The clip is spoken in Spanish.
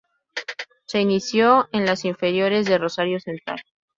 Se inició en las inferiores de Rosario Central.